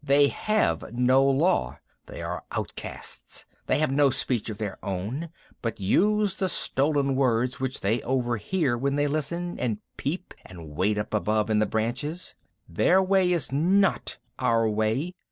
They have no law. They are outcasts. They have no speech of their own, but use the stolen words which they overhear when they listen, and peep, and wait up above in the branches. Their way is not our way.